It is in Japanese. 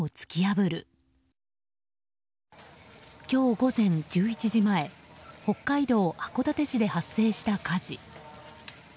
今日午前１１時前北海道函館市で発生した火事。